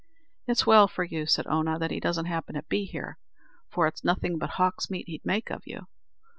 "It's well for you," said Oonagh, "that he doesn't happen to be here, for it's nothing but hawk's meat he'd make of you."